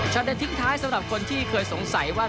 เด็ดทิ้งท้ายสำหรับคนที่เคยสงสัยว่า